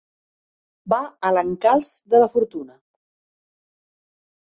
Va a l'encalç de la fortuna.